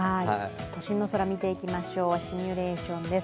都心の空を見ていきましょう、シミュレーションです。